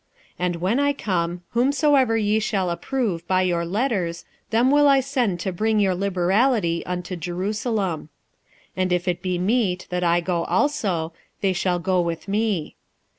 46:016:003 And when I come, whomsoever ye shall approve by your letters, them will I send to bring your liberality unto Jerusalem. 46:016:004 And if it be meet that I go also, they shall go with me.